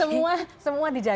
semua dijagokan mbak alia